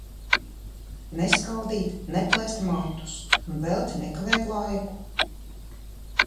Neskaldīt, neplēst matus un velti nekavēt laiku.